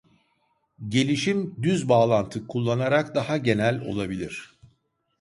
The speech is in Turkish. Gelişim düz bağlantı kullanarak daha genel olabilir.